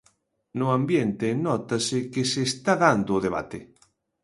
No ambiente nótase que se está dando o debate.